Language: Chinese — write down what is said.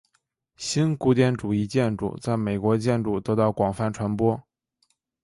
新古典主义建筑在美国建筑得到广泛传播。